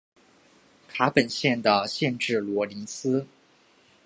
卡本县的县治罗林斯。